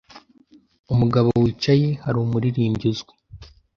Umugabo wicaye hari umuririmbyi uzwi.